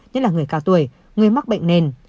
nhất là người cao tuổi người mắc bệnh nền